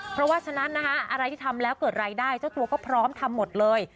เพราะว่าฉะนั้นนะคะอะไรที่ทำแล้วเกิดรายได้เจ้าตัวก็พร้อมทำหมดเลย